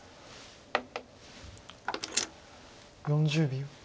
４０秒。